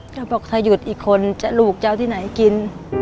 ถ้าบอกถ้าหยุดอีกคนจะลูกจะเอาที่ไหนกิน